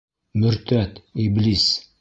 Мөртәт, иблис...